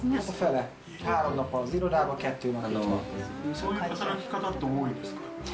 そういう働き方って多いんですか？